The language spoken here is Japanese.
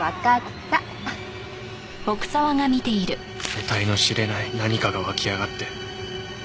得体の知れない何かが湧き上がって。